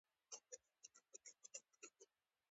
فوټبال څنګه لوبیږي؟